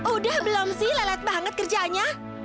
udah belum sih lelet banget kerjaannya